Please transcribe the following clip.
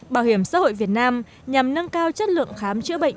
bảo hiểm xã hội việt nam nhằm nâng cao chất lượng khám chữa bệnh